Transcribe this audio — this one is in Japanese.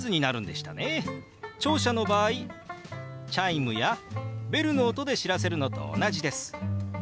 聴者の場合チャイムやベルの音で知らせるのと同じです。